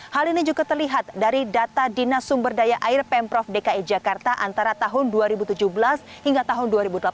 hal ini juga terlihat dari data dinas sumber daya air pemprov dki jakarta antara tahun dua ribu tujuh belas hingga tahun dua ribu delapan belas